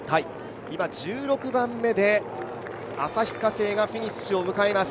今、１６番目で旭化成がフィニッシュを迎えます。